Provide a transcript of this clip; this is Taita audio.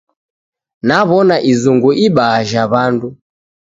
Naw'ona izungu ibaha jha w'andu.